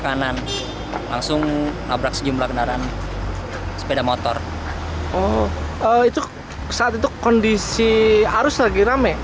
kanan langsung nabrak sejumlah kendaraan sepeda motor oh itu saat itu kondisi arus lagi rame